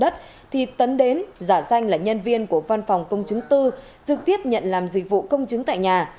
thì tấn đến giả danh là nhân viên của văn phòng công chứng tư trực tiếp nhận làm dịch vụ công chứng tại nhà